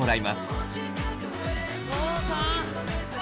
父さん！